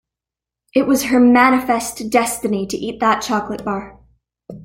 It was her manifest destiny to eat that chocolate bar.